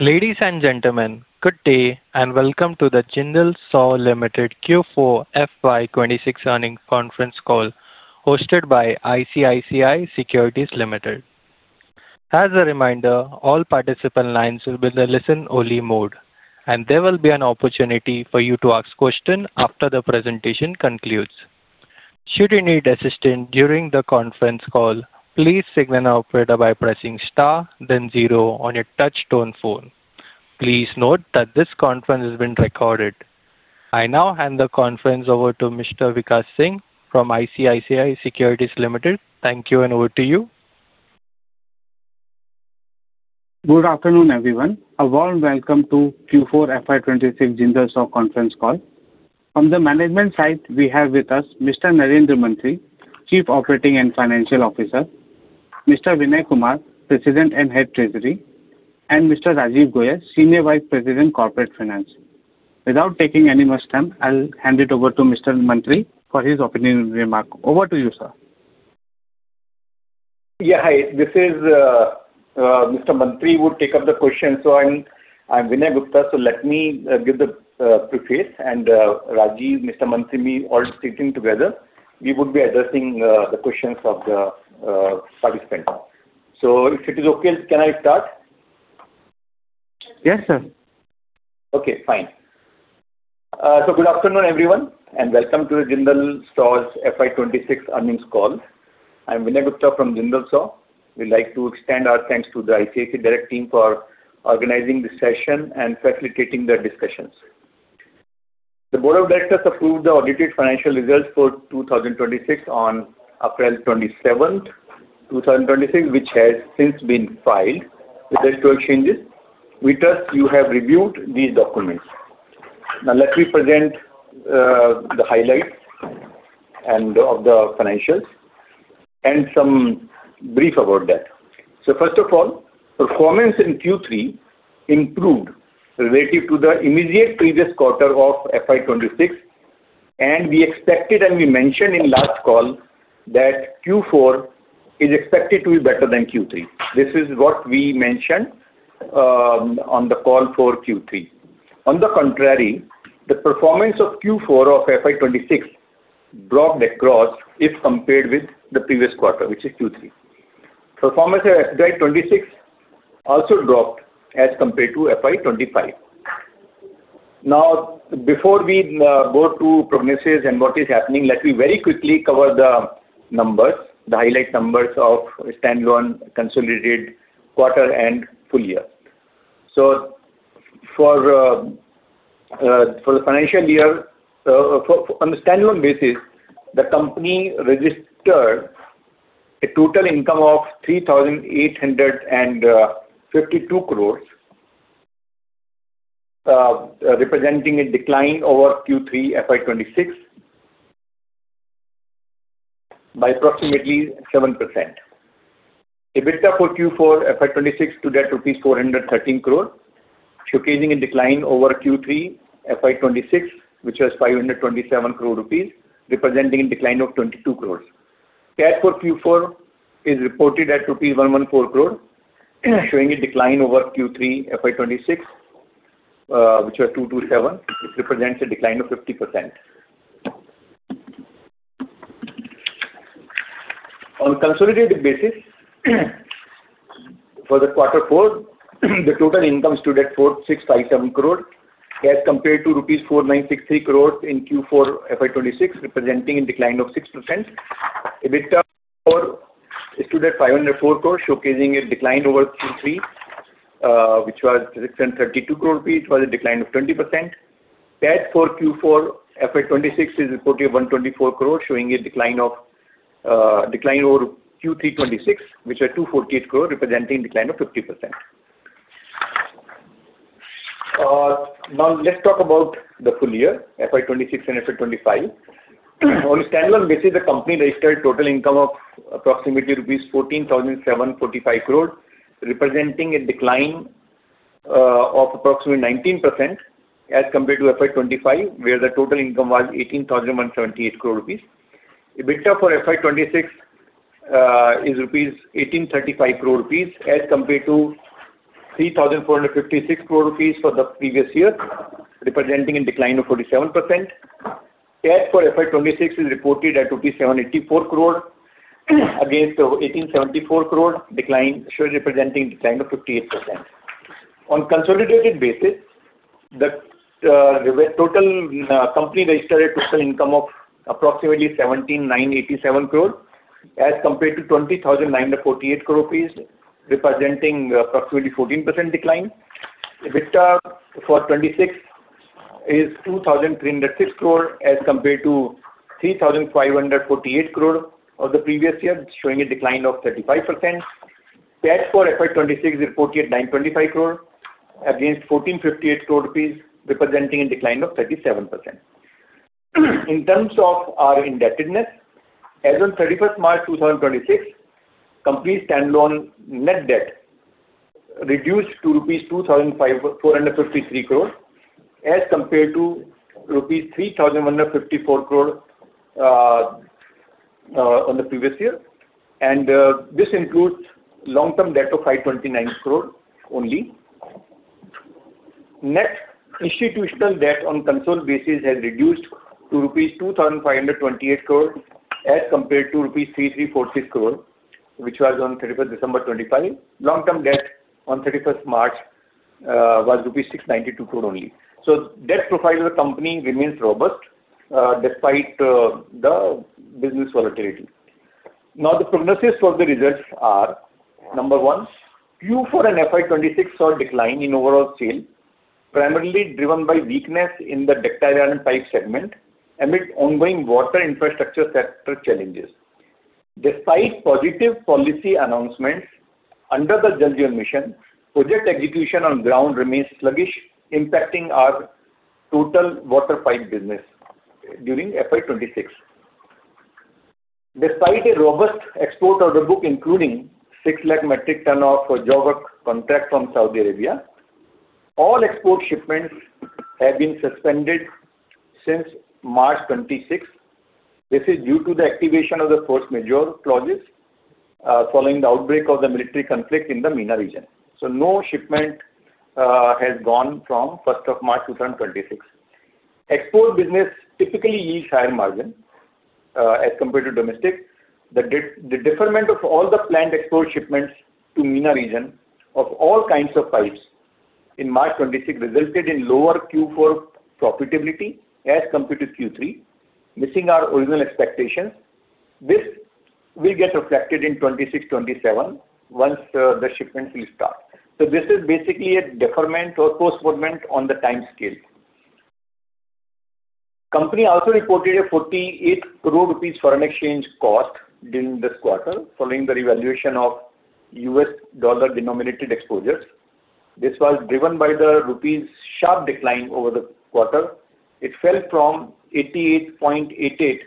Ladies and gentlemen, good day and welcome to the Jindal Saw Limited Q4 FY 2026 Earnings Conference Call hosted by ICICI Securities Limited. As a reminder, all participant lines will be in the listen only mode, and there will be an opportunity for you to ask question after the presentation concludes. Should you need assistance during the conference call, please signal an operator by pressing star then zero on your touch-tone phone. Please note that this conference is being recorded. I now hand the conference over to Mr. Vikash Singh from ICICI Securities Limited. Thank you and over to you. Good afternoon, everyone. A warm welcome to Q4 FY 2026 Jindal Saw conference call. From the management side, we have with us Mr. Narendra Mantri, Chief Operating and Financial Officer, Mr. Vinay Kumar, President and Head Treasury, and Mr. Rajeev Goyal, Senior Vice President Corporate Finance. Without taking any more time, I'll hand it over to Mr. Mantri for his opening remark. Over to you, sir. Hi. This is, Mr. Mantri would take up the questions. I'm Vinay Gupta. Let me give the preface and Rajeev, Mr. Mantri, me all sitting together, we would be addressing the questions of the participants. If it is okay, can I start? Yes, sir. Okay, fine. Good afternoon, everyone, and welcome to the Jindal Saw's FY 2026 earnings call. I'm Vinay Gupta from Jindal Saw. We'd like to extend our thanks to the ICICI Direct team for organizing this session and facilitating the discussions. The Board of Directors approved the audited financial results for 2026 on April 27th, 2026, which has since been filed with the stock exchanges. We trust you have reviewed these documents. Now let me present the highlights and of the financials and some brief about that. First of all, performance in Q3 improved relative to the immediate previous quarter of FY 2026, and we expected, and we mentioned in last call that Q4 is expected to be better than Q3. This is what we mentioned on the call for Q3. On the contrary, the performance of Q4 of FY 2026 dropped across if compared with the previous quarter, which is Q3. Performance of FY 2026 also dropped as compared to FY 2025. Before we go to prognosis and what is happening, let me very quickly cover the numbers, the highlight numbers of standalone consolidated quarter and full year. For the financial year, on a standalone basis, the company registered a total income of 3,852 crore, representing a decline over Q3 FY 2026 by approximately 7%. EBITDA for Q4 FY 2026 stood at rupees 413 crore, showcasing a decline over Q3 FY 2026, which was 527 crore rupees, representing a decline of 22 crore. Cash for Q4 is reported at rupees 114 crore, showing a decline over Q3 FY 2026, which was 227 crore rupees. It represents a decline of 50%. On consolidated basis, for Q4 the total income stood at 4,657 crore as compared to rupees 4,963 crore in Q4 FY 2026, representing a decline of 6%. EBITDA for stood at 504 crore, showcasing a decline over Q3, which was 632 crore, was a decline of 20%. Cash for Q4 FY 2026 is reported 124 crore, showing a decline of decline over Q3 2026, which was 248 crore, representing a decline of 50%. Now let's talk about the full year, FY 2026 and FY 2025. On a standalone basis, the company registered total income of approximately rupees 14,745 crore, representing a decline of approximately 19% as compared to FY 2025, where the total income was 18,178 crore rupees. EBITDA for FY 2026 is 1,835 crore rupees as compared to 3,456 crore rupees for the previous year, representing a decline of 47%. Cash for FY 2026 is reported at INR 784 crore against 1,874 crore, representing a decline of 58%. On consolidated basis, the company registered a total income of approximately 17,987 crore as compared to 20,948 crore rupees, representing approximately 14% decline. EBITDA for 2026 is 2,306 crore as compared to 3,548 crore of the previous year, showing a decline of 35%. Cash for FY 2026 is reported at 925 crore against 1,458 crore rupees, representing a decline of 37%. In terms of our indebtedness, as on 31st March 2026, company's standalone net debt reduced to rupees 2,453 crore as compared to rupees 3,154 crore on the previous year, and this includes long-term debt of 529 crore only. Net institutional debt on consolidated basis has reduced to rupees 2,528 crore as compared to rupees 3,346 crore, which was on 31st December 2025. Long-term debt on 31st March was INR 692 crore only. Debt profile of the company remains robust despite the business volatility. The prognosis for the results are, number one, Q4 and FY 2026 saw a decline in overall sales, primarily driven by weakness in the Ductile Iron Pipe segment amid ongoing water infrastructure sector challenges. Despite positive policy announcements under the Jal Jeevan Mission, project execution on ground remains sluggish, impacting our total water pipe business during FY 2026. Despite a robust export order book, including 6 lakh metric ton of [JAWAQ] contract from Saudi Arabia, all export shipments have been suspended since March 2026. This is due to the activation of the force majeure clauses following the outbreak of the military conflict in the MENA region. No shipment has gone from 1st of March 2026. Export business typically yields higher margin as compared to domestic. The deferment of all the planned export shipments to MENA region of all kinds of pipes in March 26 resulted in lower Q4 profitability as compared to Q3, missing our original expectations. This will get reflected in 2026-2027 once the shipments will start. This is basically a deferment or postponement on the timescale. Company also reported an INR 48 crore foreign exchange cost during this quarter following the revaluation of U.S. dollar-denominated exposures. This was driven by the rupee's sharp decline over the quarter. It fell from 88.88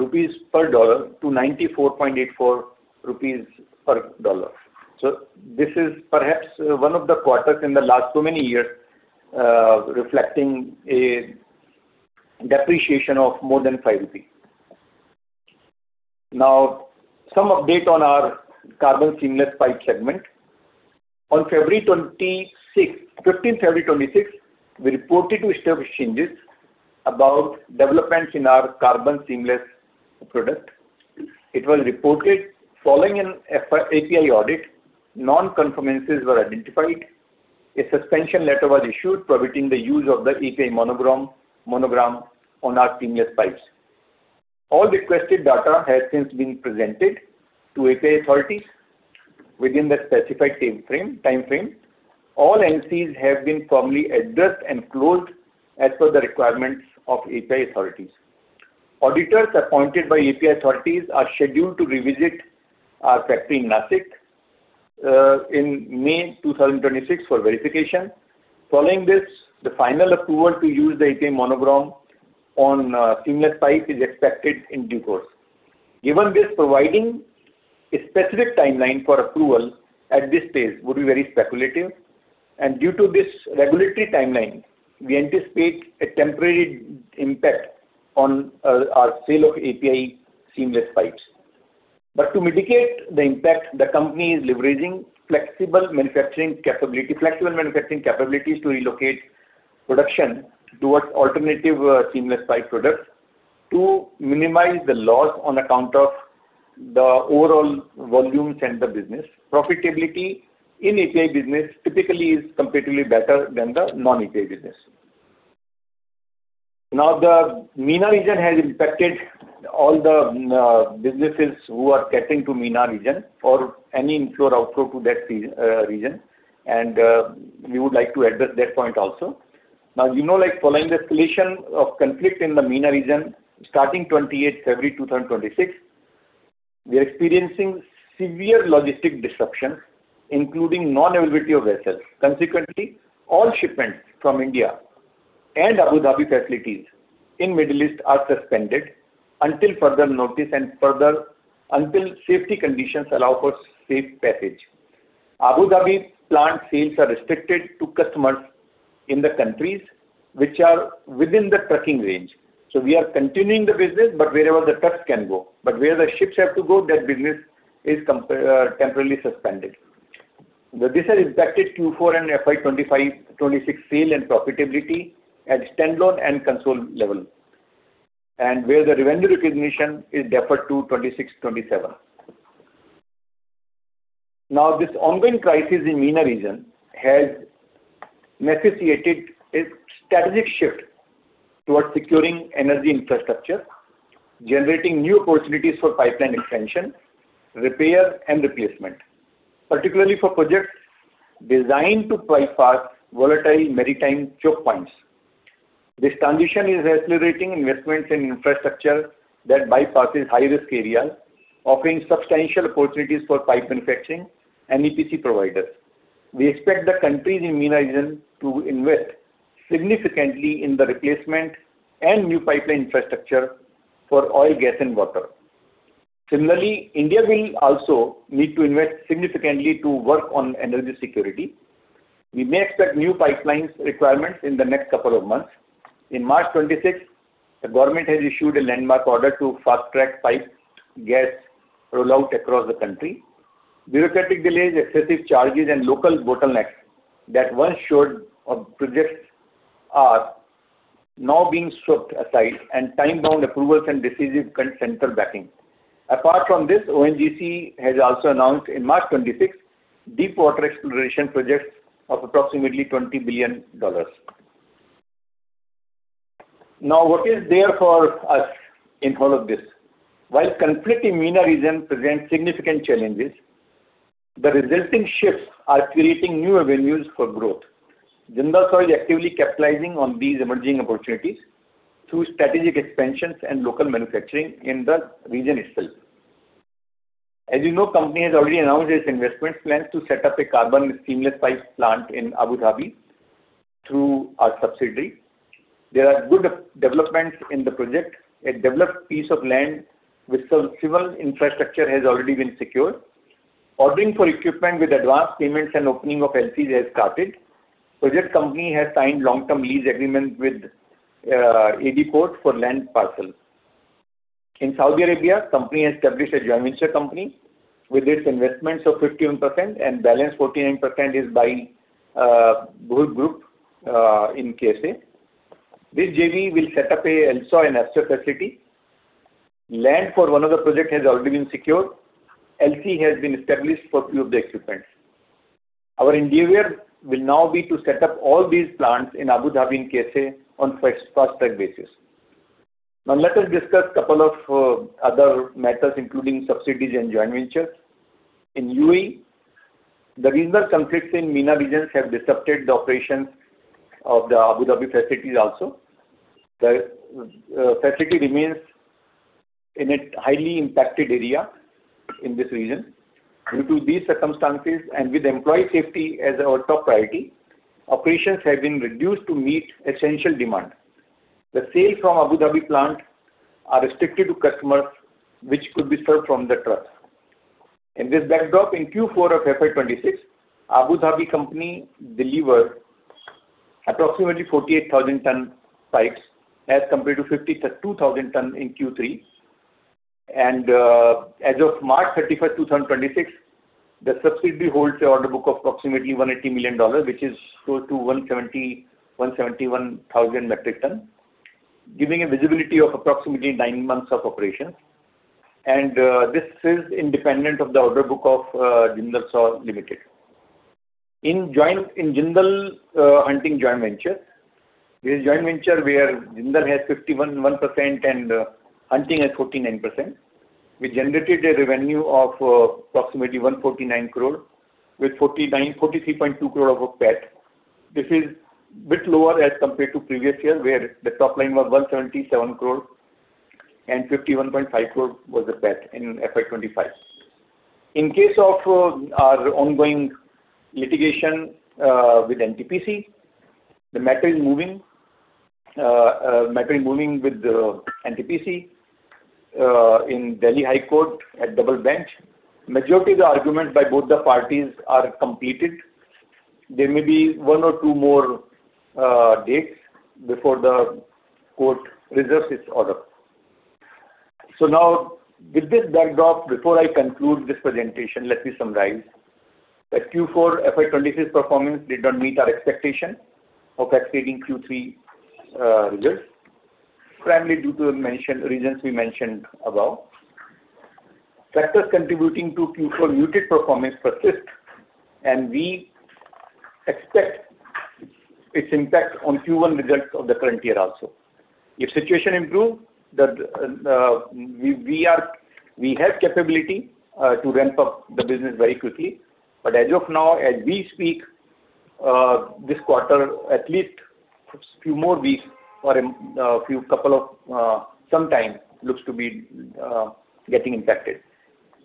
rupees per dollar to 94.84 rupees per dollar. This is perhaps one of the quarters in the last so many years, reflecting a depreciation of more than 5 rupees. Some update on our Carbon Seamless Pipe segment. On February 15th 2026, we reported to stock exchanges about developments in our Carbon Seamless product. It was reported following an API audit, non-conformances were identified. A suspension letter was issued prohibiting the use of the API monogram on our Seamless Pipes. All requested data has since been presented to API authorities within the specified timeframe. All NCRs have been formally addressed and closed as per the requirements of API authorities. Auditors appointed by API authorities are scheduled to revisit our factory in Nashik in May 2026 for verification. Following this, the final approval to use the API monogram on a seamless pipe is expected in due course. Given this, providing a specific timeline for approval at this stage would be very speculative. Due to this regulatory timeline, we anticipate a temporary impact on our sale of API seamless pipes. To mitigate the impact, the company is leveraging flexible manufacturing capabilities to relocate production towards alternative Seamless Pipes products to minimize the loss on account of the overall volumes and the business. Profitability in API business typically is comparatively better than the non-API business. The MENA region has impacted all the businesses who are catering to MENA region or any inflow or outflow to that region, and we would like to address that point also. You know like following the escalation of conflict in the MENA region starting 28th February 2026, we are experiencing severe logistic disruptions, including non-availability of vessels. Consequently, all shipments from India and Abu Dhabi facilities in Middle East are suspended until further notice and further until safety conditions allow for safe passage. Abu Dhabi plant sales are restricted to customers in the countries which are within the trucking range. We are continuing the business, but wherever the trucks can go. Where the ships have to go, that business is temporarily suspended. This has impacted Q4 and FY 2025-2026 sale and profitability at standalone and console level, and where the revenue recognition is deferred to 2026-2027. This ongoing crisis in MENA region has necessitated a strategic shift towards securing energy infrastructure, generating new opportunities for pipeline expansion, repair and replacement, particularly for projects designed to bypass volatile maritime choke points. This transition is accelerating investments in infrastructure that bypasses high-risk areas, offering substantial opportunities for pipe manufacturing and EPC providers. We expect the countries in MENA region to invest significantly in the replacement and new pipeline infrastructure for oil, gas and water. Similarly, India will also need to invest significantly to work on energy security. We may expect new pipelines requirements in the next couple of months. In March 2026, the government has issued a landmark order to fast-track piped gas rollout across the country. Bureaucratic delays, excessive charges, and local bottlenecks that once showed up projects are now being swept aside, and time-bound approvals and decisive central backing. Apart from this, ONGC has also announced in March 2026, deepwater exploration projects of approximately $20 billion. What is there for us in all of this? While conflict in MENA region present significant challenges, the resulting shifts are creating new avenues for growth. Jindal Saw is actively capitalizing on these emerging opportunities through strategic expansions and local manufacturing in the region itself. As you know, company has already announced its investment plans to set up a Carbon Seamless Pipes plant in Abu Dhabi through our subsidiary. There are good developments in the project. A developed piece of land with civil infrastructure has already been secured. Ordering for equipment with advanced payments and opening of LCs has started. Project company has signed long-term lease agreement with AD Port for land parcel. In Saudi Arabia, company has established a joint venture company with its investments of 51% and balance 49% is by Buhur for Investment Company in KSA. This JV will set up a LSAW and HSAW facility. Land for one of the project has already been secured. LC has been established for few of the equipment. Our endeavor will now be to set up all these plants in Abu Dhabi and KSA on fast-track basis. Now let us discuss couple of other matters, including subsidies and joint ventures. In UAE, the recent conflicts in MENA region have disrupted the operations of the Abu Dhabi facilities also. The facility remains in a highly impacted area in this region. Due to these circumstances and with employee safety as our top priority, operations have been reduced to meet essential demand. The sale from Abu Dhabi plant are restricted to customers which could be served from the truck. In this backdrop, in Q4 of FY 2026, Abu Dhabi company delivered approximately 48,000 ton pipes as compared to 52,000 ton in Q3. As of March 31st, 2026, the subsidy holds the order book of approximately $180 million, which is close to 170,000-171,000 metric ton, giving a visibility of approximately 9 months of operation. This is independent of the order book of Jindal Saw Limited. In Jindal Hunting joint venture, this joint venture where Jindal has 51% and Hunting has 49%, we generated a revenue of approximately 149 crore with 43.2 crore of PAT. This is bit lower as compared to previous year, where the top line was 177 crore and 51.5 crore was the PAT in FY 2025. In case of our ongoing litigation with NTPC, the matter is moving. Matter is moving with the NTPC in Delhi High Court at double bench. Majority of the argument by both the parties are completed. There may be one or two more dates before the court reserves its order. Now with this backdrop, before I conclude this presentation, let me summarize. The Q4 FY 2026 performance did not meet our expectation of exceeding Q3 results, primarily due to the reasons we mentioned above. Factors contributing to Q4 muted performance persist, we expect its impact on Q1 results of the current year also. If situation improve, we have capability to ramp up the business very quickly. As of now, as we speak, this quarter, at least a few more weeks or a few couple of some time looks to be getting impacted.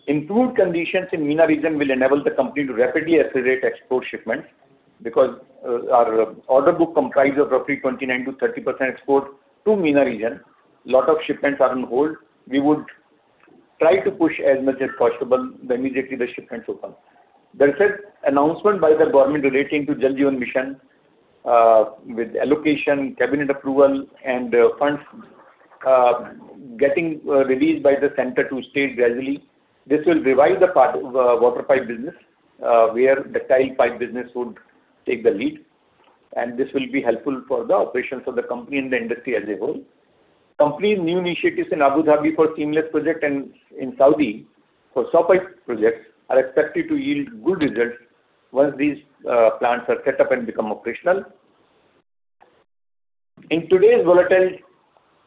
Improved conditions in MENA region will enable the company to rapidly accelerate export shipments because our order book comprise of roughly 29%-30% export to MENA region. Lot of shipments are on hold. We would try to push as much as possible immediately the shipments open. There is an announcement by the government relating to Jal Jeevan Mission, with allocation, cabinet approval, and funds getting released by the center to state gradually. This will revive the part of water pipe business, where Ductile pipe business would take the lead, and this will be helpful for the operations of the company and the industry as a whole. Company's new initiatives in Abu Dhabi for seamless project and in Saudi for saw pipe projects are expected to yield good results once these plants are set up and become operational. In today's volatile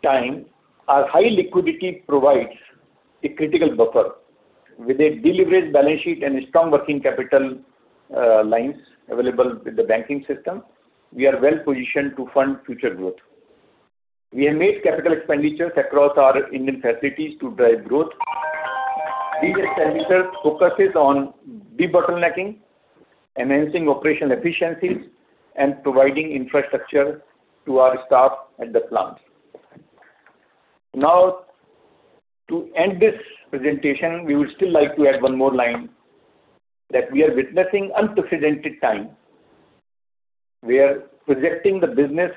time, our high liquidity provides a critical buffer. With a deleveraged balance sheet and strong working capital lines available with the banking system, we are well positioned to fund future growth. We have made capital expenditures across our Indian facilities to drive growth. These expenditures focus on debottlenecking, enhancing operational efficiencies, and providing infrastructure to our staff at the plant. Now, to end this presentation, we would still like to add one more line that we are witnessing unprecedented times, where projecting the business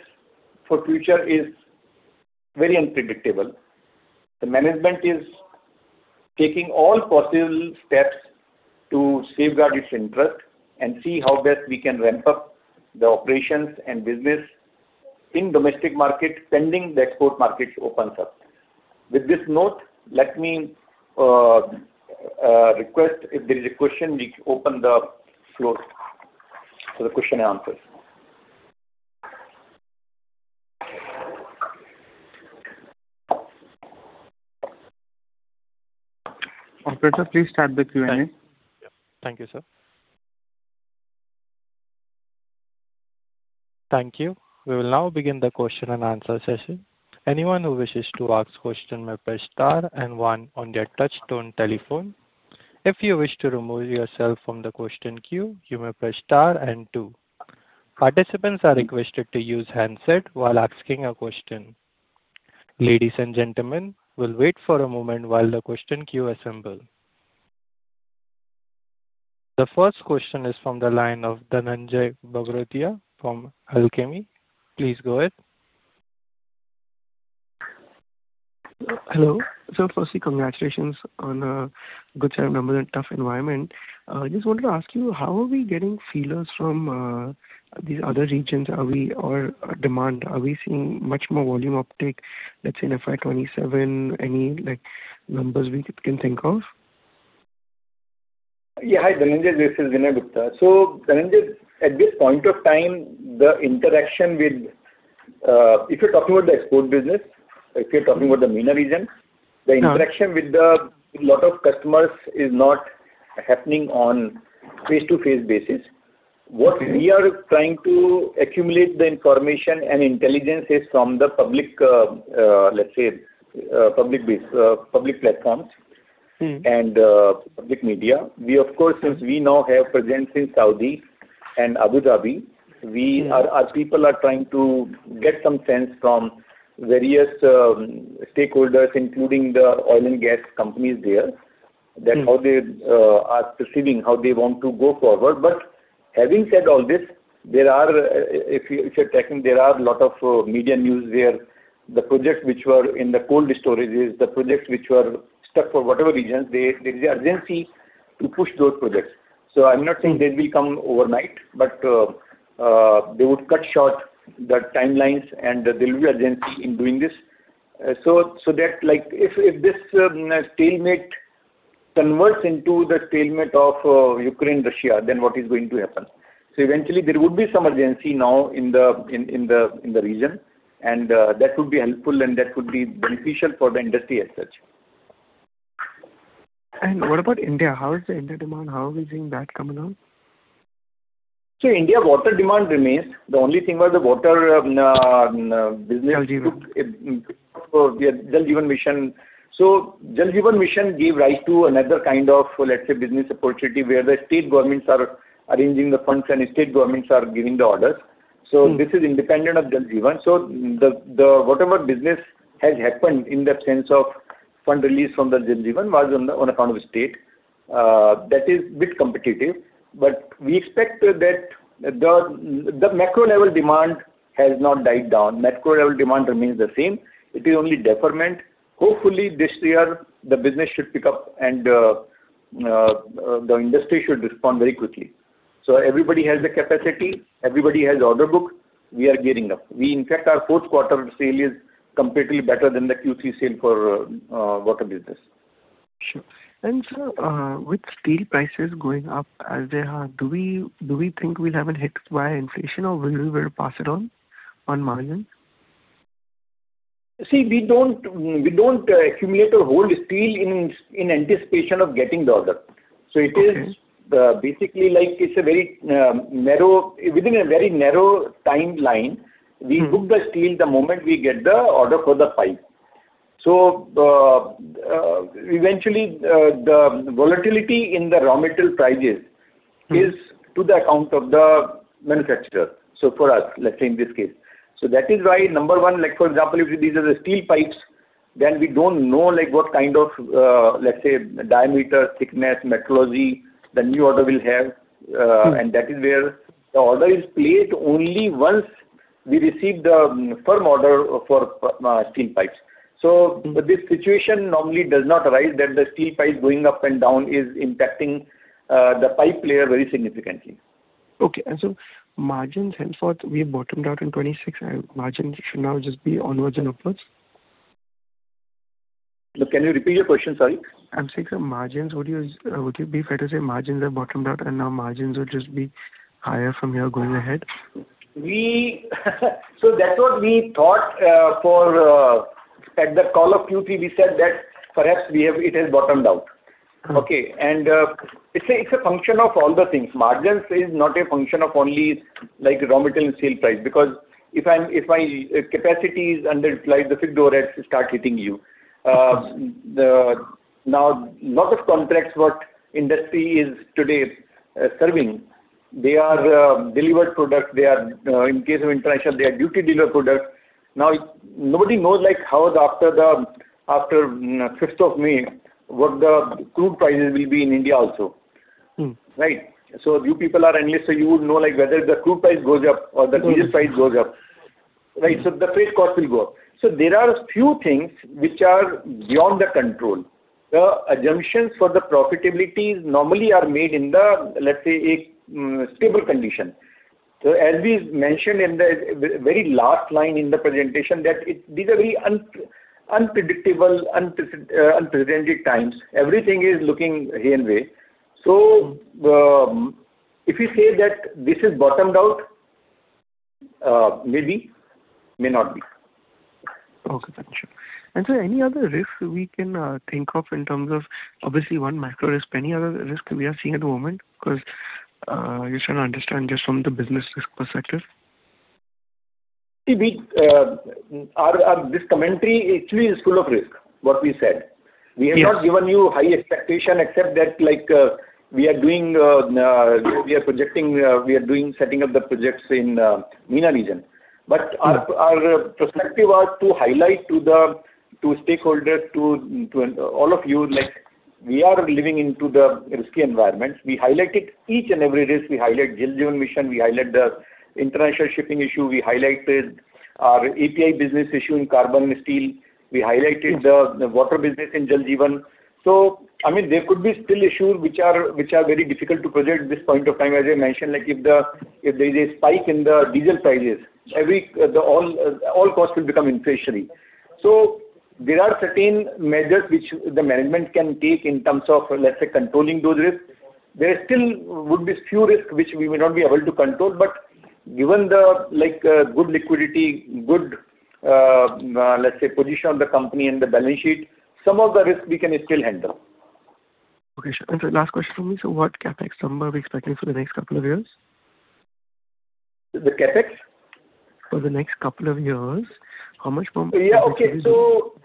for future is very unpredictable. The management is taking all possible steps to safeguard its interest and see how best we can ramp up the operations and business in domestic market, pending the export markets open up. With this note, let me request if there is a question, we open the floor for the question and answers. Operator, please start the Q&A. Thank you. Yep. Thank you, sir. Thank you. We will now begin the question and answer session. Anyone who wishes to ask a question may press star and one on their touch-tone telephone. If you wish to remove yourself from the question queue, you may press star and two. Participants are requested to use a headset when asking a question. Ladies and gentlemen we will wait for a moment while the question queue is assembled. The first question is from the line of Dhananjai Bagrodia from Alchemy. Please go ahead. Hello. Firstly, congratulations on good set of numbers in a tough environment. Just wanted to ask you, how are we getting feelers from these other regions? Or demand. Are we seeing much more volume uptick, let's say, in FY 2027? Any, like, numbers we can think of? Yeah. Hi, Dhananjai. This is Vinay Gupta. Dhananjai, at this point of time, if you're talking about the export business, like if you're talking about the MENA region. Yeah. The interaction with lot of customers is not happening on face-to-face basis. What we are trying to accumulate the information and intelligence is from the public, let's say, public base, public platforms and public media. We of course, since we now have presence in Saudi and Abu Dhabi, we are. Our people are trying to get some sense from various stakeholders, including the oil and gas companies there. That is how they are perceiving, how they want to go forward. Having said all this, if you, if you're tracking, there are lot of media news where the projects which were in the cold storages, the projects which were stuck for whatever reasons, there is the urgency to push those projects. I'm not saying they will come overnight, but they would cut short the timelines, and there will be urgency in doing this. that if this stalemate converts into the stalemate of Ukraine-Russia, then what is going to happen? Eventually there would be some urgency now in the region, and that could be helpful and that could be beneficial for the industry as such. What about India? How is the India demand? How are we seeing that coming on? India water demand remains. The only thing was the water business. Jal Jeevan. Jal Jeevan Mission. Jal Jeevan Mission gave rise to another kind of, let's say, business opportunity, where the state governments are arranging the funds and state governments are giving the orders. Mm-hmm. This is independent of Jal Jeevan. The whatever business has happened in the sense of fund release from the Jal Jeevan was on account of state. That is bit competitive, but we expect that the macro level demand has not died down. Macro level demand remains the same. It is only deferment. Hopefully this year the business should pick up and the industry should respond very quickly. Everybody has the capacity, everybody has order book. We are gearing up. We in fact, our fourth quarter sale is comparatively better than the Q3 sale for water business. Sure. Sir, with steel prices going up as they are, do we think we'll have a hit via inflation or will you be able to pass it on on margin? See, we don't accumulate or hold steel in anticipation of getting the order. Okay. it is basically like it's a very narrow within a very narrow timeline. Mm-hmm. We book the steel the moment we get the order for the pipe. Eventually, the volatility in the raw material prices is to the account of the manufacturer, so for us, let's say in this case. That is why number one, like for example, if these are the steel pipes, then we don't know like what kind of, let's say diameter, thickness, metallurgy the new order will have. That is where the order is placed only once we receive the firm order for steel pipes. This situation normally does not arise that the steel pipe going up and down is impacting the pipe layer very significantly. Okay. Margins henceforth, we have bottomed out in 2026 and margins should now just be onwards and upwards? Can you repeat your question? Sorry. I'm saying sir margins, would you be fair to say margins have bottomed out and now margins would just be higher from here going ahead? That's what we thought, for, at the call of Q3 we said that perhaps it has bottomed out. Okay. It's a function of all the things. Margins is not a function of only like raw material and steel price. If my capacity is underutilized, the fixed overheads start hitting you. Now, lot of contracts what industry is today, serving. They are delivered product. They are, in case of international, they are duty deliver product. Now nobody knows like how the after the 5th of May, what the crude prices will be in India also. Right? You people are analysts, so you would know like whether the crude price goes up or the diesel price goes up, right? The freight cost will go up. There are a few things which are beyond the control. The assumptions for the profitability normally are made in the, let's say, a stable condition. As we mentioned in the very last line in the presentation, that it's. These are very unpredictable, unprecedented times. Everything is looking haywire. If you say that this is bottomed out, maybe, may not be. Okay. Got you. Any other risk we can think of in terms of obviously one macro risk, any other risk we are seeing at the moment, because just trying to understand just from the business risk perspective. See, we, our this commentary actually is full of risk, what we said. Yes. We have not given you high expectation except that like, we are setting up the projects in the MENA region. Our perspective was to highlight to the stakeholder, to all of you like we are living into the risky environment. We highlighted each and every risk. We highlight Jal Jeevan Mission, we highlight the international shipping issue, we highlighted our API business issue in carbon and steel. We highlighted the water business in Jal Jeevan. I mean, there could be still issues which are very difficult to project this point of time. As I mentioned, like if there is a spike in the diesel prices, all costs will become inflationary. There are certain measures which the management can take in terms of, let's say, controlling those risks. There still would be few risks which we may not be able to control, but given the like, good liquidity, good, let's say position of the company and the balance sheet, some of the risk we can still handle. Okay, sure. Last question for me. What CapEx number are we expecting for the next couple of years? The CapEx? For the next couple of years, how much more CapEx we will do? Yeah. Okay.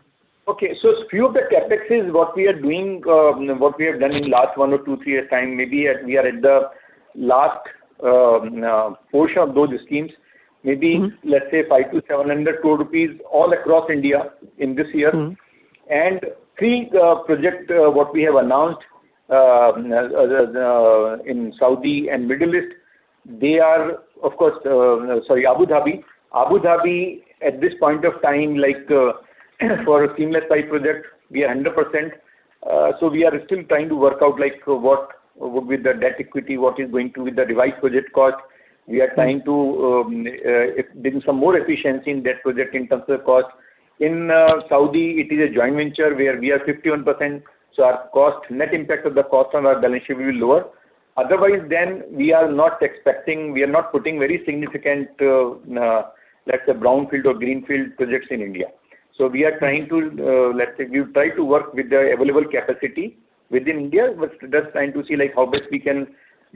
Few of the CapExes what we are doing, what we have done in last one or two, three years time, maybe we are at the last portion of those schemes. Mm-hmm. Maybe let's say 500 crore-700 crore rupees all across India in this year. Mm-hmm. Three project, what we have announced in Saudi and Middle East, they are of course, sorry, Abu Dhabi. Abu Dhabi at this point of time, like, for a Seamless Pipe project, we are 100%. We are still trying to work out like what would be the debt equity, what is going to be the revised project cost. Right. We are trying to bring some more efficiency in that project in terms of cost. In Saudi it is a joint venture where we are 51%, so our cost, net impact of the cost on our balance sheet will be lower. Otherwise, we are not expecting, we are not putting very significant, let's say brownfield or greenfield projects in India. We are trying to, let's say we try to work with the available capacity within India, but just trying to see like how best we can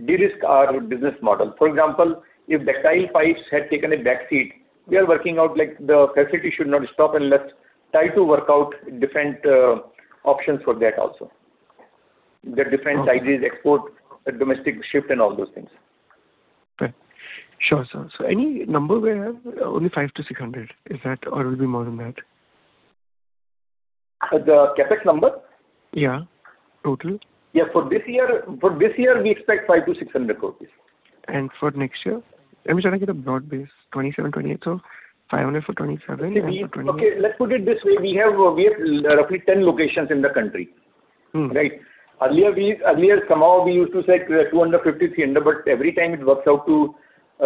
de-risk our business model. For example, if Ductile pipes had taken a back seat, we are working out like the facility should not stop and let's try to work out different options for that also. The different sizes, export, domestic shift and all those things. Okay. Sure, sir. Any number we have? Only 500 crore-600 crore. Is that or it'll be more than that? The CapEx number? Yeah. Total. Yeah, for this year we expect 500 crore- 600 crore. For next year? I'm just trying to get a broad base. 2027, 2028. 500 for 2027 and for 2028. Okay. Let's put it this way. We have roughly 10 locations in the country. Right? Earlier somehow we used to say 250-300, but every time it works out to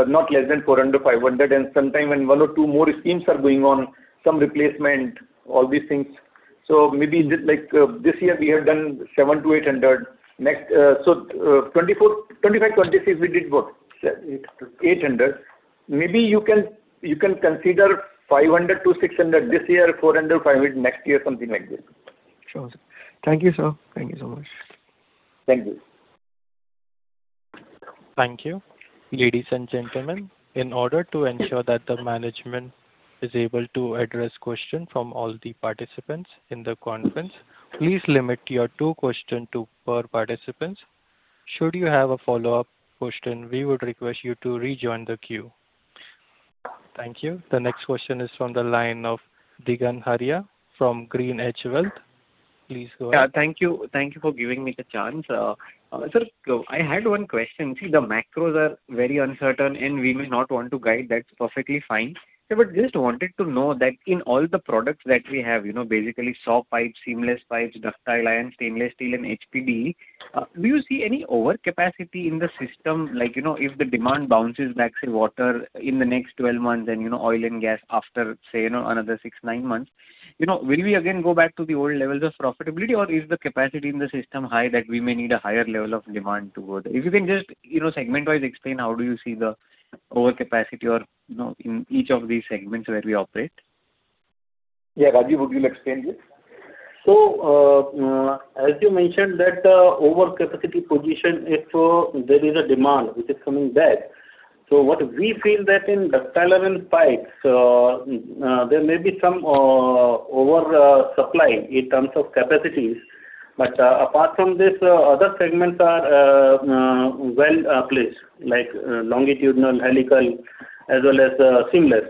not less than 400-500. Sometime when one or two more schemes are going on, some replacement, all these things. Maybe like this year we have done 700-800. Next, 2024, 2025, 2026 we did what? INR 700- INR 800. 800. Maybe you can consider 500-600 this year, 400-500 next year. Something like this. Sure. Thank you, sir. Thank you so much. Thank you. Thank you. Ladies and gentlemen, in order to ensure that the management is able to address question from all the participants in the conference, please limit your two question, two per participants. Should you have a follow-up question, we would request you to rejoin the queue. Thank you. The next question is from the line of Digant Haria from GreenEdge Wealth. Please go ahead. Yeah. Thank you. Thank you for giving me the chance. Sir, I had one question. See, the macros are very uncertain, and we may not want to guide, that's perfectly fine. Just wanted to know that in all the products that we have, you know, basically saw pipes, seamless pipes, ductile iron, stainless steel and HDPE, do you see any overcapacity in the system? Like, you know, if the demand bounces back, say water in the next 12 months and, you know, oil and gas after, say, you know, another six, nine months. You know, will we again go back to the old levels of profitability or is the capacity in the system high that we may need a higher level of demand to go there? If you can just, you know, segment-wise explain how do you see the overcapacity or, you know, in each of these segments where we operate? Yeah. Rajeev, would you explain this? As you mentioned that, overcapacity position, if there is a demand which is coming back. What we feel that in Ductile Iron Pipes, there may be some over supply in terms of capacities. Apart from this, other segments are well placed, like Longitudinal, Helical, as well as Seamless.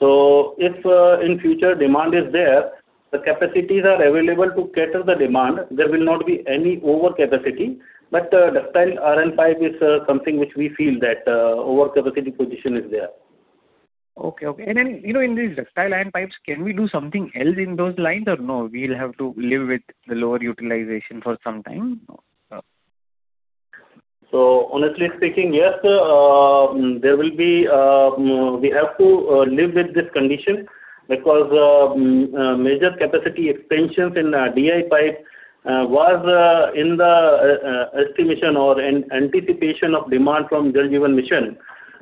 If in future demand is there, the capacities are available to cater the demand. There will not be any overcapacity, but the Ductile Iron Pipe is something which we feel that overcapacity position is there. Okay, okay. You know, in these Ductile Iron Pipes, can we do something else in those lines or no, we'll have to live with the lower utilization for some time? Honestly speaking, yes, there will be, we have to live with this condition because major capacity extensions in DI pipe was in the estimation or anticipation of demand from Jal Jeevan Mission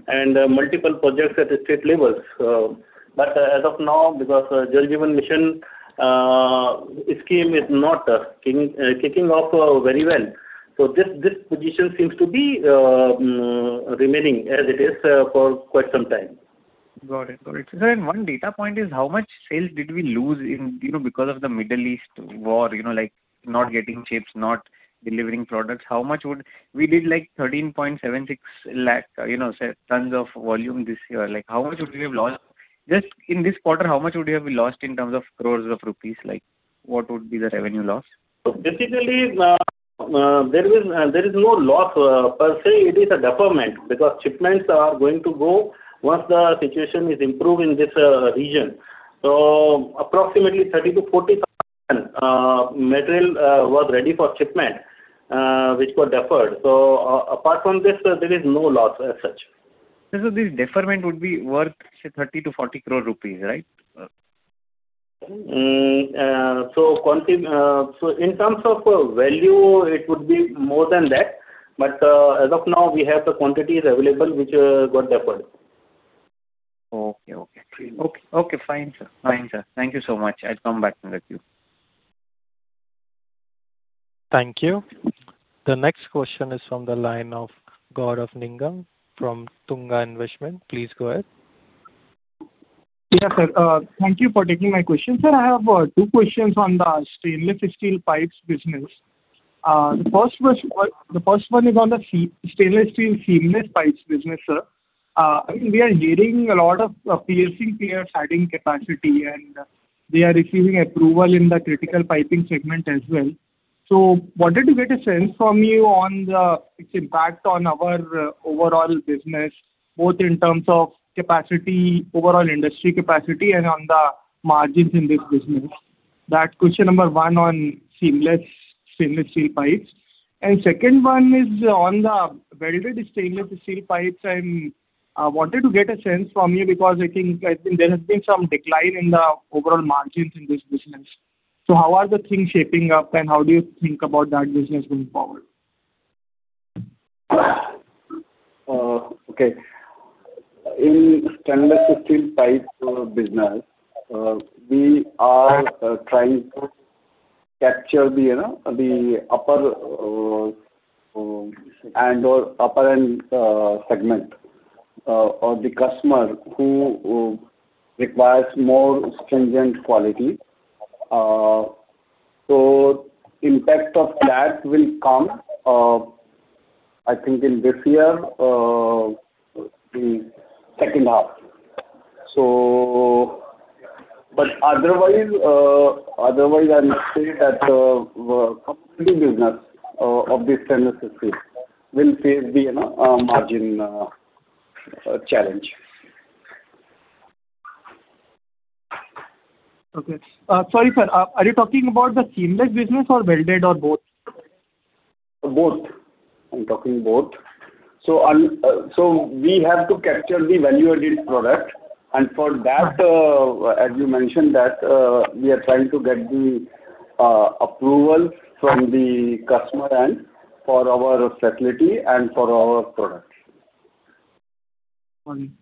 and multiple projects at the state levels. As of now, because Jal Jeevan Mission scheme is not kicking off very well. This position seems to be remaining as it is for quite some time. Got it. Got it. Sir, one data point is how much sales did we lose in, you know, because of the Middle East war, you know, like not getting ships, not delivering products. We did like 13.76 lakh, you know, say tons of volume this year. Like how much would we have lost? Just in this quarter, how much would you have lost in terms of crore rupees? Like what would be the revenue loss? Basically, there is no loss per se. It is a deferment because shipments are going to go once the situation is improved in this region. Approximately 30,000-40,000 material was ready for shipment, which got deferred. Apart from this, there is no loss as such. This is the deferment would be worth say 30-40 crore rupees, right? In terms of value, it would be more than that. As of now, we have the quantities available which got deferred. Okay. Okay. Okay. Okay, fine, sir. Fine, sir. Thank you so much. I'll come back with you. Thank you. The next question is from the line of Gaurav Nigam from Tunga Investments. Please go ahead. Yes, sir. Thank you for taking my question. Sir, I have two questions on the Stainless Steel Pipes business. The first one is on the Stainless Steel Seamless Pipes business, sir. I mean, we are hearing a lot of peers adding capacity, they are receiving approval in the critical piping segment as well. Wanted to get a sense from you on the, its impact on our overall business, both in terms of capacity, overall industry capacity, and on the margins in this business. That question number one Stainless Steel Seamless Pipes. second one is on the Welded Stainless Steel Pipes. I wanted to get a sense from you because I think there has been some decline in the overall margins in this business. How are the things shaping up and how do you think about that business going forward? Okay. In Stainless Steel Pipes business, we are trying to capture the, you know, the upper end segment or the customer who requires more stringent quality. Impact of that will come, I think, in this year, in second half. Otherwise, I must say that complete business of the Stainless Steel will face the, you know, margin challenge. Okay. Sorry, sir, are you talking about the Seamless business or Welded or both? Both. I am talking both. We have to capture the value-added product. For that, as you mentioned that, we are trying to get the approval from the customer end for our facility and for our products. Fine.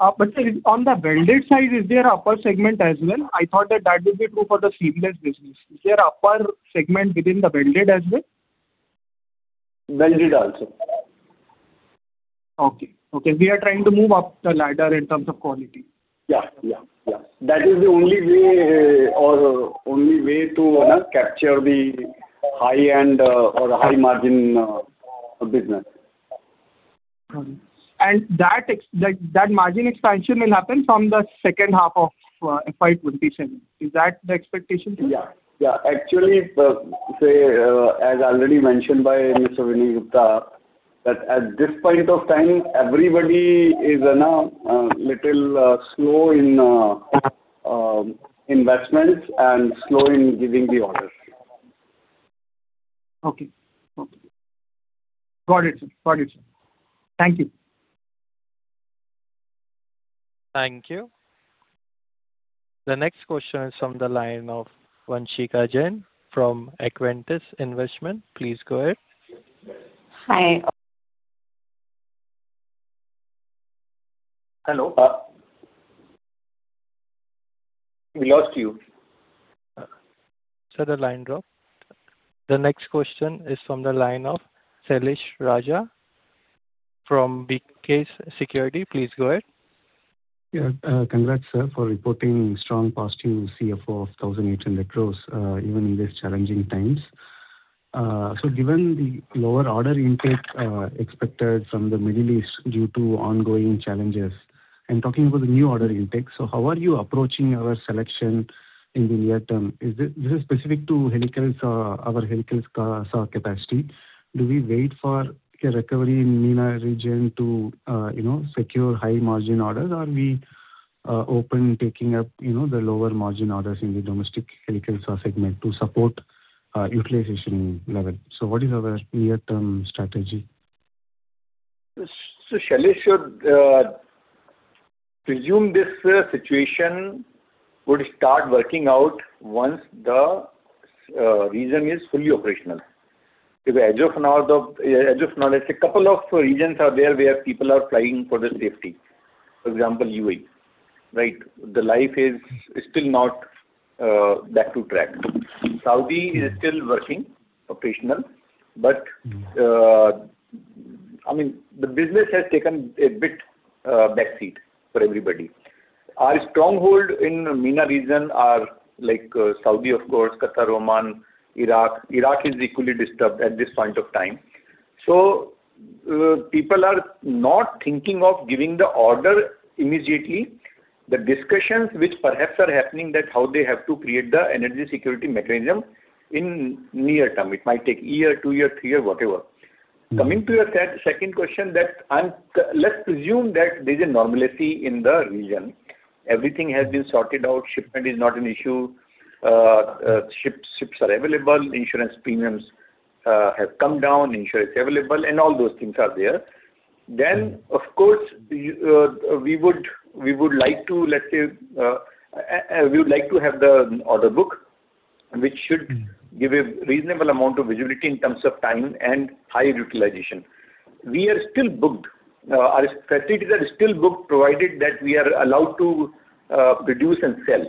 sir on the Welded side, is there upper segment as well? I thought that that would be true for the Seamless business. Is there upper segment within the Welded as well? Welded also. Okay. Okay. We are trying to move up the ladder in terms of quality. Yeah, yeah. That is the only way to, you know, capture the high end or high margin business. That margin expansion will happen from the second half of FY 2027. Is that the expectation, sir? Yeah. Yeah. Actually, say, as already mentioned by Mr. Vinay Gupta, that at this point of time everybody is, you know, little slow in investments and slow in giving the orders. Okay. Okay. Got it, sir. Got it, sir. Thank you. Thank you. The next question is from the line of Vanshika Jain from Aequitas Investments. Please go ahead. Hi. We lost you. Sir, the line dropped. The next question is from the line of Sailesh Raja from B&K Securities. Please go ahead. Yeah. Congrats, sir, for reporting strong past year CFO of 1,800 crore, even in these challenging times. Given the lower order intake expected from the Middle East due to ongoing challenges, and talking about the new order intake, how are you approaching our selection in the near term? Is it specific to our Helical Saw capacity? Do we wait for a recovery in MENA region to, you know, secure high margin orders? Are we open taking up, you know, the lower margin orders in the domestic Helical Saw segment to support utilization level? What is our near-term strategy? Sailesh should presume this situation would start working out once the region is fully operational. To the edge of knowledge, a couple of regions are there where people are flying for their safety. For example, UAE, right. The life is still not back to track. Saudi is still working, operational, but I mean, the business has taken a bit backseat for everybody. Our stronghold in MENA region are like Saudi, of course, Qatar, Oman, Iraq. Iraq is equally disturbed at this point of time. People are not thinking of giving the order immediately. The discussions which perhaps are happening that how they have to create the energy security mechanism in near term. It might take a year, two year, three year, whatever. Mm-hmm. Coming to your second question. Let's presume that there's a normality in the region. Everything has been sorted out. Shipment is not an issue. Ships are available, insurance premiums have come down, insurance available, and all those things are there. Of course, we would like to, let's say, and we would like to have the order book, which should give a reasonable amount of visibility in terms of timing and high utilization. We are still booked. Our facilities are still booked, provided that we are allowed to produce and sell.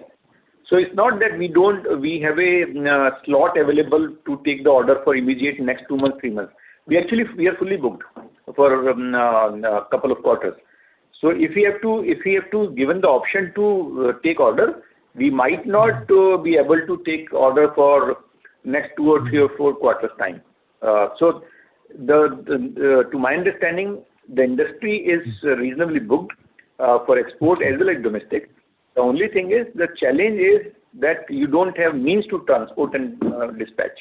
It's not that we don't have a slot available to take the order for immediate next 2 months, 3 months. We actually we are fully booked for 2 quarters. If we have to given the option to take order, we might not be able to take order for next 2 or 3 or 4 quarters time. To my understanding, the industry is reasonably booked for export as well as domestic. The only thing is, the challenge is that you don't have means to transport and dispatch.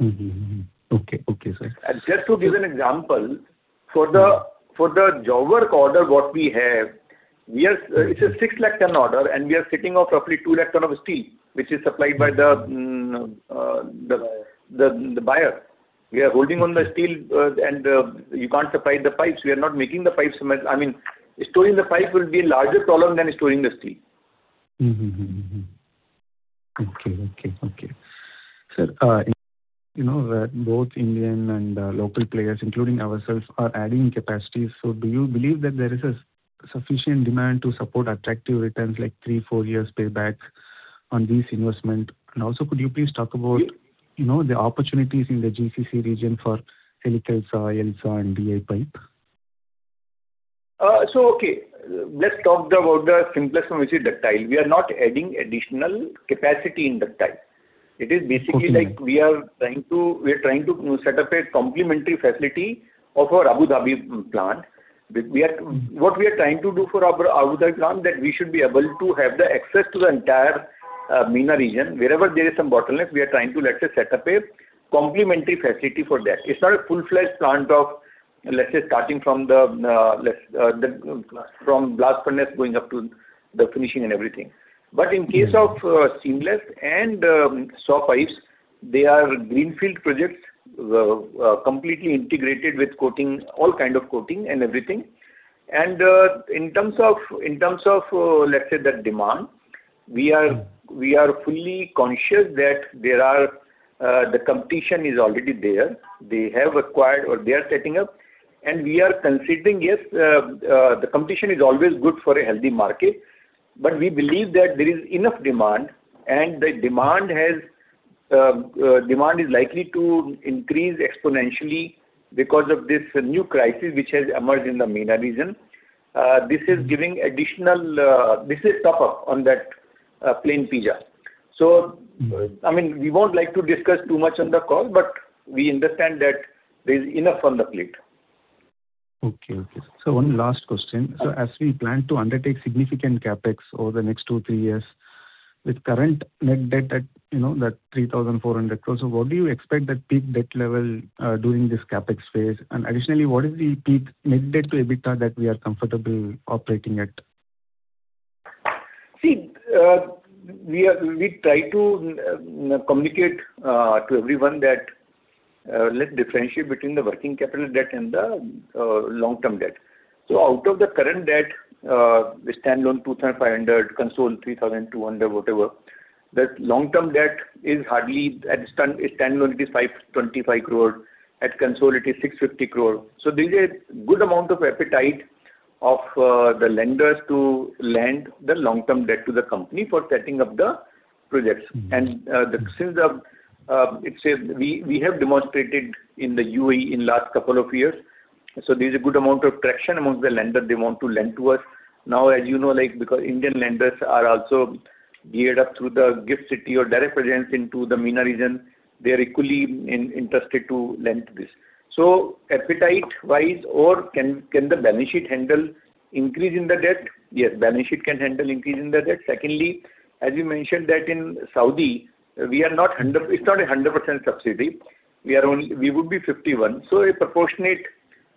Mm-hmm. Mm-hmm. Okay. Okay, sir. Just to give an example, for the job work order what we have, It's a 6 lakh ton order, and we are setting off roughly 2 lakh ton of steel, which is supplied by the buyer. We are holding on the steel, and you can't supply the pipes. We are not making the pipes. I mean, storing the pipe will be a larger problem than storing the steel. Okay. Sir, you know that both Indian and local players, including ourselves, are adding capacities. Do you believe that there is a sufficient demand to support attractive returns like 3, 4 years payback on this investment? Also, could you please talk about, you know, the opportunities in the GCC region for HSAW, LSAW and DI Pipe? Okay. Let's talk about the seamless and which is ductile. We are not adding additional capacity in Ductile. Okay. It is basically like we are trying to set up a complementary facility of our Abu Dhabi plant. What we are trying to do for our Abu Dhabi plant, that we should be able to have the access to the entire MENA region. Wherever there is some bottleneck, we are trying to, let's say, set up a complementary facility for that. It's not a full-fledged plant of, let's say, starting from the from blast furnace going up to the finishing and everything. In case of seamless and saw pipes, they are greenfield projects completely integrated with coating, all kind of coating and everything. In terms of, let's say the demand, we are fully conscious that there are the competition is already there. They have acquired or they are setting up, and we are considering, yes, the competition is always good for a healthy market, but we believe that there is enough demand and the demand has, demand is likely to increase exponentially because of this new crisis which has emerged in the MENA region. This is giving additional, this is top up on that, plain pizza. Right. I mean, we won't like to discuss too much on the call, but we understand that there's enough on the plate. Okay. Okay. One last question. As we plan to undertake significant CapEx over the next two, three years, with current net debt at, you know, 3,400 crore, what do you expect that peak debt level during this CapEx phase? Additionally, what is the peak net debt to EBITDA that we are comfortable operating at? See, we try to communicate to everyone that, let's differentiate between the working capital debt and the long-term debt. Out of the current debt, the stand-alone 2,500, console 3,200. The long-term debt is hardly at stand-alone 525 crore. At console it is 650 crore. There's a good amount of appetite of the lenders to lend the long-term debt to the company for setting up the projects. Mm-hmm. The since the it says we have demonstrated in the UAE in last couple of years, there's a good amount of traction amongst the lender. They want to lend to us. As you know, like, because Indian lenders are also geared up through the Gift City or direct presence into the MENA region, they are equally interested to lend this. Appetite-wise or can the balance sheet handle increase in the debt? Yes, balance sheet can handle increase in the debt. Secondly, as you mentioned that in Saudi it's not a 100% subsidy. We would be 51. A proportionate,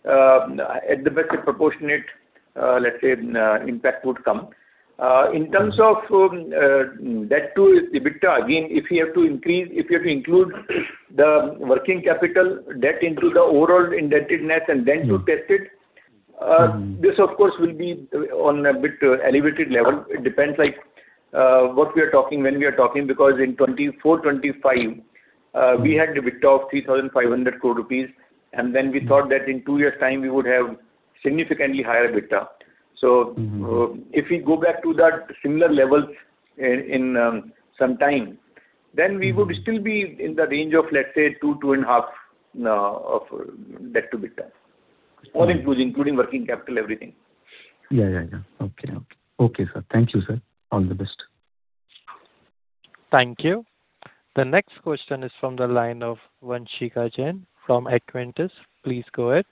at the best a proportionate, let's say, impact would come. In terms of debt to EBITDA, again, if you have to include the working capital debt into the overall indebtedness and then to test it, this of course will be on a bit elevated level. Okay. It depends like what we are talking, when we are talking, because in 2024-2025, we had EBITDA of 3,500 crore rupees, and then we thought that in two years' time we would have significantly higher EBITDA. Mm-hmm. If we go back to that similar levels in some time, we would still be in the range of, let's say 2.5 of debt to EBITDA, all including working capital, everything. Yeah, yeah. Okay, okay. Okay, sir. Thank you, sir. All the best. Thank you. The next question is from the line of Vanshika Jain from Aequitas. Please go ahead.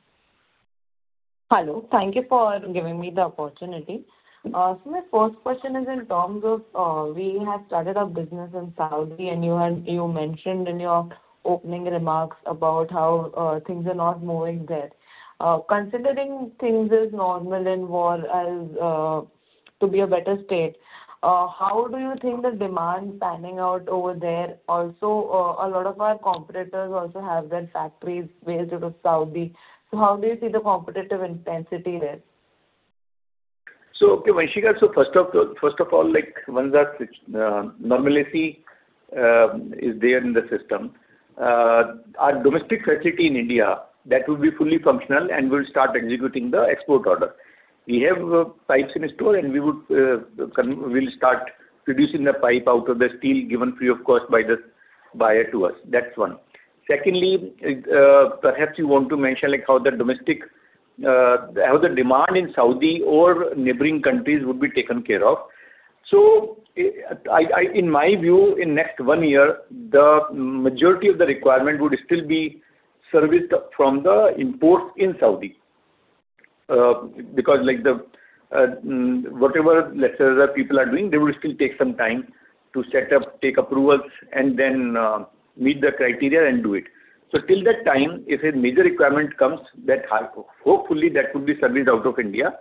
Hello. Thank you for giving me the opportunity. My first question is in terms of, we have started our business in Saudi and you had, you mentioned in your opening remarks about how things are not moving there. Considering things is normal evolved as to be a better state, how do you think the demand panning out over there? Also, a lot of our competitors also have their factories based out of Saudi. How do you see the competitive intensity there? Okay, Vanshika. First of all, like once that normalcy is there in the system, our domestic facility in India, that will be fully functional and we'll start executing the export order. We have pipes in store, we'll start producing the pipe out of the steel given free of cost by the buyer to us. That's one. Secondly, perhaps you want to mention like how the domestic, how the demand in Saudi or neighboring countries would be taken care of. I, in my view, in next one year, the majority of the requirement would still be serviced from the import in Saudi. Because like the, whatever let's say the people are doing, they will still take some time to set up, take approvals and then meet the criteria and do it. Till that time, if a major requirement comes that hopefully that would be serviced out of India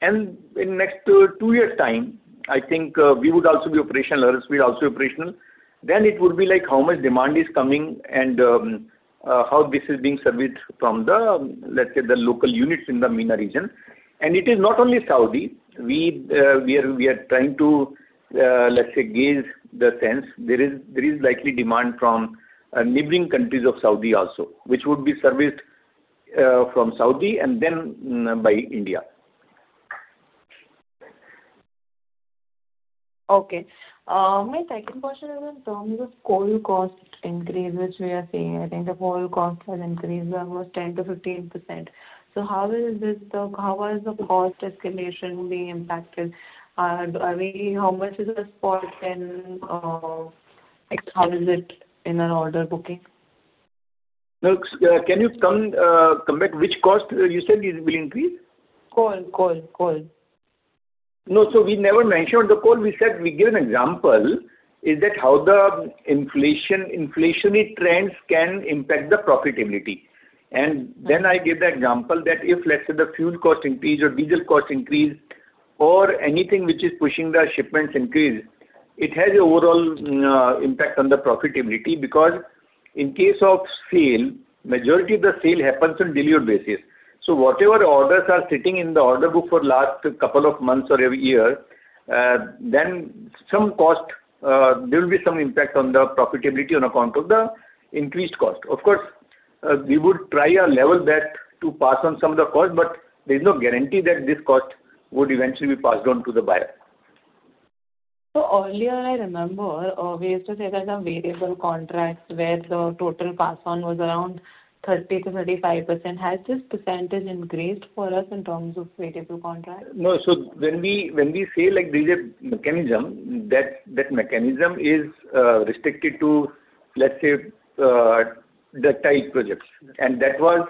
and in next 2 years' time, we would also be operational, others will also be operational. It would be like how much demand is coming and how this is being serviced from the local units in the MENA region. It is not only Saudi. We are trying to gauge the sense. There is likely demand from neighboring countries of Saudi also, which would be serviced from Saudi and then by India. Okay. My second question is in terms of coal cost increase, which we are seeing. I think the coal cost has increased almost 10%-15%. How is this, how has the cost escalation being impacted? How much is the spot and, like how is it in an order booking? No. Can you come back? Which cost you said will increase? Coal. No. We never mentioned the coal. We said, we gave an example is that how the inflationary trends can impact the profitability. I gave the example that if, let's say, the fuel cost increase or diesel cost increase or anything which is pushing the shipments increase, it has a overall impact on the profitability because in case of sale, majority of the sale happens on delivered basis. Whatever orders are sitting in the order book for last couple of months or every year, then some cost, there will be some impact on the profitability on account of the increased cost. Of course, we would try our level best to pass on some of the cost, but there's no guarantee that this cost would eventually be passed on to the buyer. Earlier I remember, we used to say that the variable contracts where the total pass on was around 30%-35%. Has this percentage increased for us in terms of variable contracts? No. When we say like there's a mechanism, that mechanism is restricted to, let's say, the type projects. That was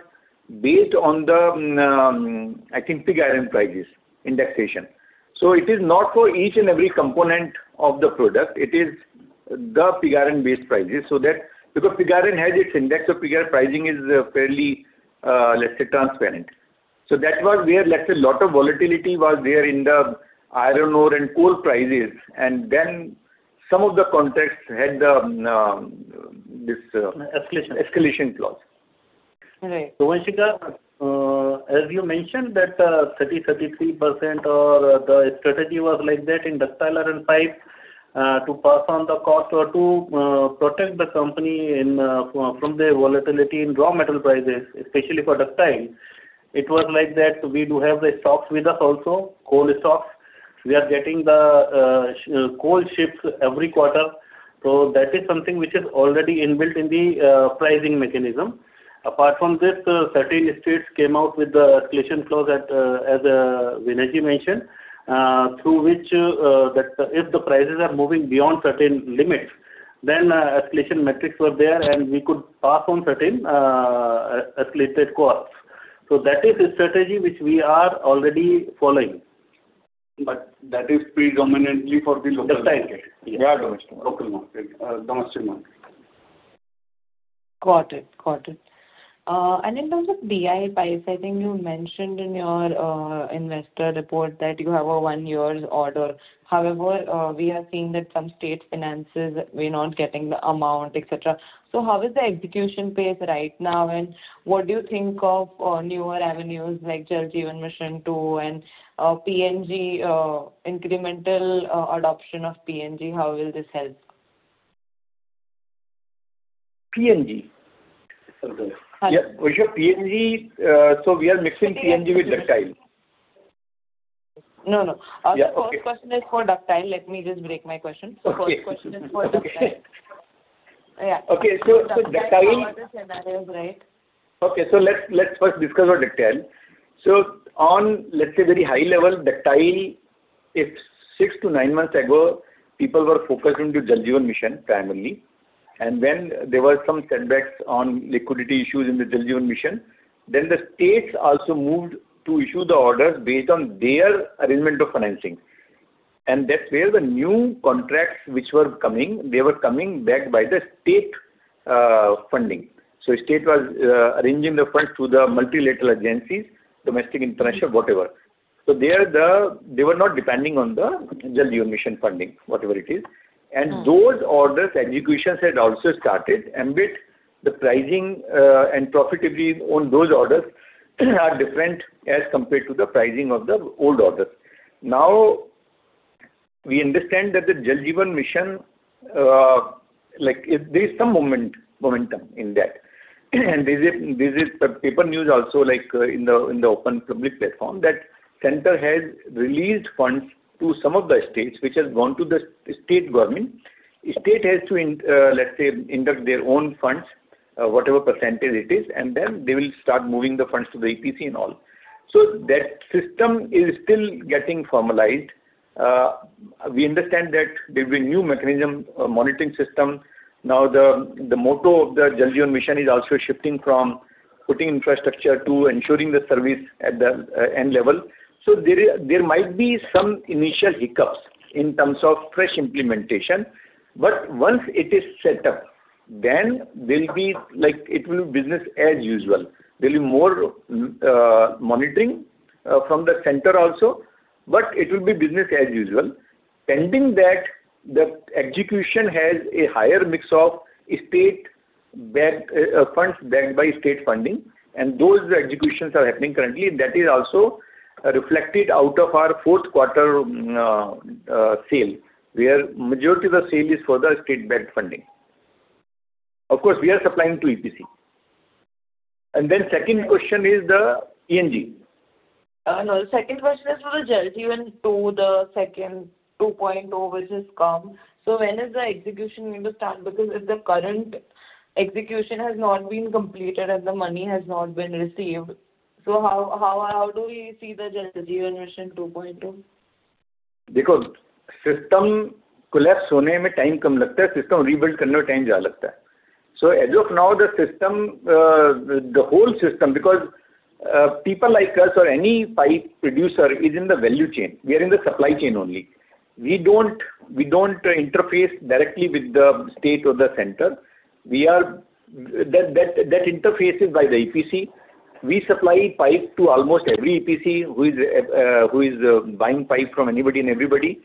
based on the, I think [Figaran] prices indexation. It is not for each and every component of the product. It is the [Figaran] based prices. That because [Figaran] has its index, [Figaran] pricing is fairly, let's say, transparent. That was where, let's say, lot of volatility was there in the iron ore and coal prices and then some of the contracts had the this. Escalation. Escalation clause. Right. Vanshika, as you mentioned that, 30-33% or the strategy was like that in ductile and pipe, to pass on the cost or to protect the company in from the volatility in raw metal prices, especially for ductile. It was like that we do have the stocks with us also, coal stocks. We are getting the coal ships every quarter. That is something which is already inbuilt in the pricing mechanism. Apart from this, certain states came out with the escalation clause at as Vinay mentioned, through which that if the prices are moving beyond certain limits, then escalation metrics were there, and we could pass on certain escalated costs. That is a strategy which we are already following. But that is predominantly for the local market. Ductile. Yeah. Yeah, domestic. Local market. Domestic market. Got it. Got it. And in terms of DI pipes, I think you mentioned in your investor report that you have a 1 year's order. However, we are seeing that some state finances were not getting the amount, et cetera. How is the execution pace right now, and what do you think of newer avenues like Jal Jeevan Mission 2.0 and PNG, incremental adoption of PNG, how will this help? PNG? Yeah. Vanshika, PNG, we are mixing PNG with Ductile. No, no. Yeah, okay. The first question is for Ductile. Let me just break my question. Okay. First question is for Ductile. Okay. Yeah. Okay. Ductile. Ductile for the scenarios, right? Okay. Let's, let's first discuss about ductile. On, let's say very high level, ductile, if 6-9 months ago, people were focused into Jal Jeevan Mission primarily, and then there were some setbacks on liquidity issues in the Jal Jeevan Mission. The states also moved to issue the orders based on their arrangement of financing. That's where the new contracts which were coming, they were coming backed by the state funding. State was arranging the funds through the multilateral agencies, domestic, international, whatever. There the they were not depending on the Jal Jeevan Mission funding, whatever it is. Mm-hmm. Those orders executions had also started, and with the pricing, and profitability on those orders are different as compared to the pricing of the old orders. We understand that the Jal Jeevan Mission, like there's some momentum in that. There's a, there's a paper news also like, in the, in the open public platform that center has released funds to some of the states which has gone to the state government. State has to in, let's say induct their own funds, whatever percentage it is, and then they will start moving the funds to the EPC and all. That system is still getting formalized. We understand that there'll be new mechanism, monitoring system. The, the motto of the Jal Jeevan Mission is also shifting from putting infrastructure to ensuring the service at the, end level. There might be some initial hiccups in terms of fresh implementation. Once it is set up, then there'll be like, it will business as usual. There'll be more monitoring from the center also, it will be business as usual. Pending that, the execution has a higher mix of state-backed funds backed by state funding, those executions are happening currently. That is also reflected out of our fourth quarter sale, where majority of the sale is for the state-backed funding. Of course, we are supplying to EPC. Then second question is the PNG. No, the second question is for the Jal Jeevan 2, the second 2.0 which has come. When is the execution going to start? If the current execution has not been completed and the money has not been received, how do you see the Jal Jeevan Mission 2.0? As of now the system, the whole system, because people like us or any pipe producer is in the value chain. We are in the supply chain only. We don't interface directly with the state or the center. That interface is by the EPC. We supply pipe to almost every EPC who is buying pipe from anybody and everybody.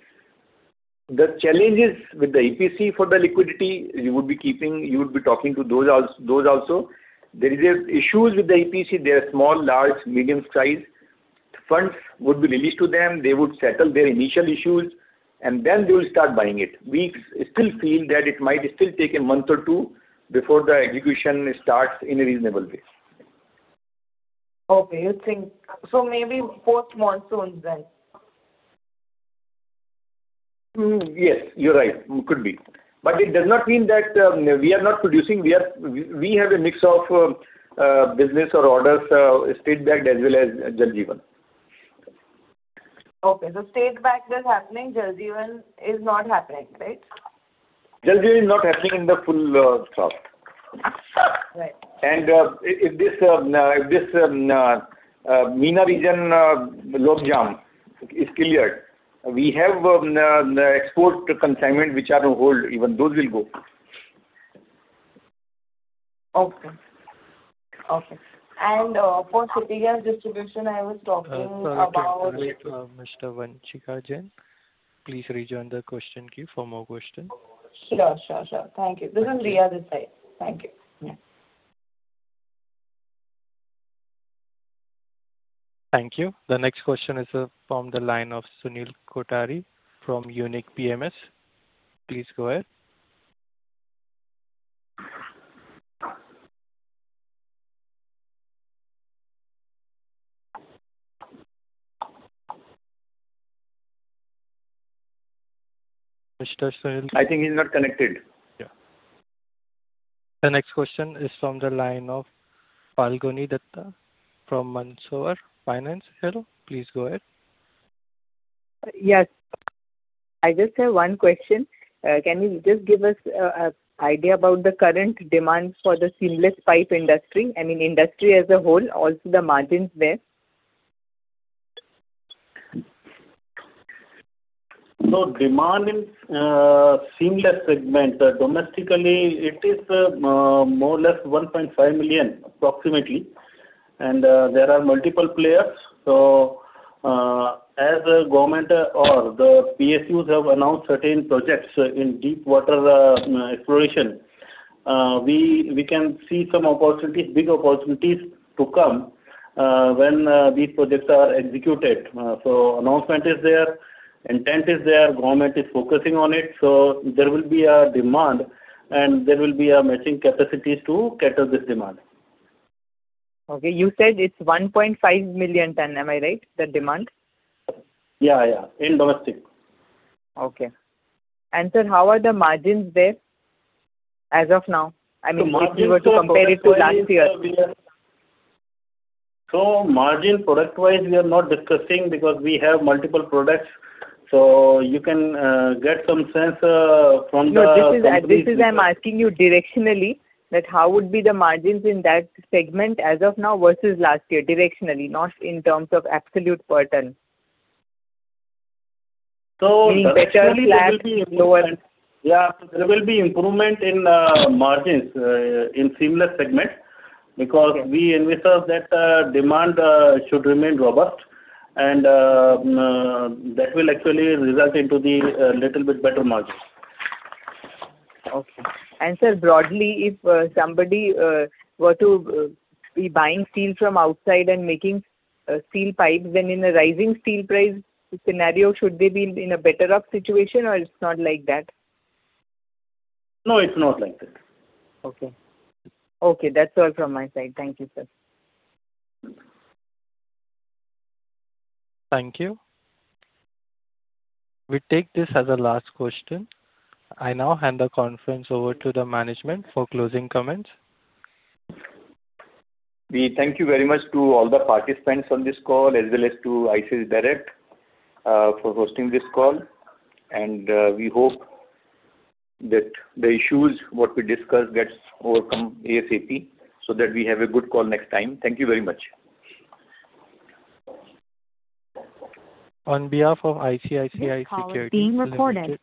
The challenges with the EPC for the liquidity, you would be keeping, you would be talking to those also. There is issues with the EPC. They are small, large, medium size. Funds would be released to them. They would settle their initial issues, then they will start buying it. We still feel that it might still take a month or two before the execution starts in a reasonable pace. Okay. You think. Maybe post monsoon then. Yes, you're right. Could be. It does not mean that we are not producing. We have a mix of business or orders, state-backed as well as Jal Jeevan. Okay. state-backed is happening, Jal Jeevan is not happening, right? Jal Jeevan is not happening in the full thrust. Right. If this MENA region logjam is cleared, we have export consignment which are on hold, even those will go. Okay. Okay. For City Gas Distribution. Sorry to interrupt, Mr. Vanshika Jain. Please rejoin the question queue for more questions. Sure. Thank you. [This is Riya this side]. Thank you. Yeah. Thank you. The next question is from the line of Sunil Kothari from Unique PMS. Please go ahead. Mr. Sunil? I think he's not connected. Yeah. The next question is from the line of Falguni Dutta from Mansarovar Financials. Hello. Please go ahead. Yes. I just have one question. Can you just give us a idea about the current demand for the Seamless pipe industry, I mean, industry as a whole, also the margins there? Demand in Seamless segment, domestically it is more or less 1.5 million approximately, and there are multiple players. As a government or the PSUs have announced certain projects in deepwater exploration, we can see some opportunities, big opportunities to come when these projects are executed. Announcement is there, intent is there, government is focusing on it, so there will be a demand, and there will be a matching capacities to cater this demand. Okay. You said it's 1.5 million ton. Am I right, the demand? Yeah, yeah. In domestic. Okay. Sir, how are the margins there as of now? I mean, if you were to compare it to last year. Margin product wise we are not discussing because we have multiple products. You can get some sense. No, this is, I'm asking you directionally that how would be the margins in that segment as of now versus last year directionally, not in terms of absolute per ton. Directionally there will be improvement. Being better, flat, lower. There will be improvement in margins in Seamless segment because we envision that demand should remain robust and that will actually result into the little bit better margins. Okay. Sir, broadly, if somebody were to be buying steel from outside and making steel pipes, then in a rising steel price scenario, should they be in a better off situation or it's not like that? No, it's not like that. Okay. Okay, that's all from my side. Thank you, sir. Thank you. We take this as a last question. I now hand the conference over to the management for closing comments. We thank you very much to all the participants on this call as well as to ICICI Direct for hosting this call. We hope that the issues, what we discussed, gets overcome ASAP so that we have a good call next time. Thank you very much. On behalf of ICICI Securities Limited. This call is being recorded.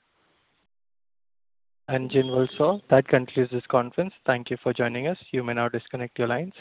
Genworth, that concludes this conference. Thank you for joining us. You may now disconnect your lines.